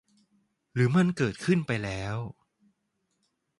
หรือมันเกิดขึ้นไปแล้ว